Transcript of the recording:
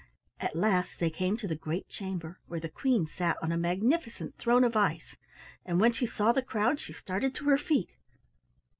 At last they came to the great chamber, where the Queen sat on a magnificent throne of ice, and when she saw the crowd she started to her feet.